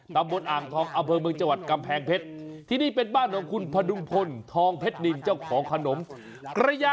ตามบนอ่างทองอเบื้องเมืองจวัดกำแพงเพชร